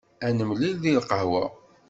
Ad nemlil deg lqahwa!